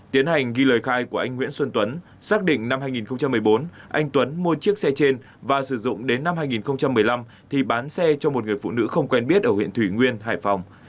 tiến hành ghi lời khai của anh nguyễn xuân tuấn xác định năm hai nghìn một mươi bốn anh tuấn mua chiếc xe trên và sử dụng đến năm hai nghìn một mươi năm thì bán xe cho một người phụ nữ không quen biết ở huyện thủy nguyên hải phòng